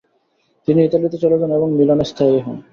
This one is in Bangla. তিনি ইতালিতে চলে যান, এবং মিলানে স্থায়ী হন।